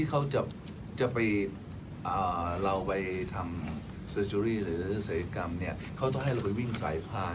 กับเอาไว้ทำเศรษฐ์สยกรรมเขาต้องให้เราไปวิ่งสายผ่าน